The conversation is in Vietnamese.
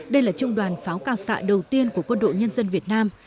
đây là trung đoàn pháo cao xạ đầu tiên của quân đội nhân dân việt nam